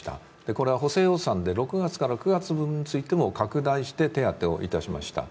これは補正予算で５月、６月分についても拡大して手当をいたしました。